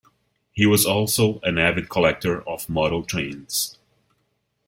He was also an avid collector of model trains.